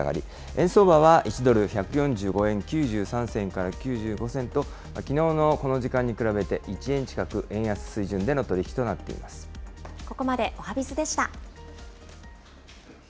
円相場は、１ドル１４５円９３銭から９５銭と、きのうのこの時間に比べて、１円近く円安水準での取り引きとなっていまここまでおはＢｉｚでした。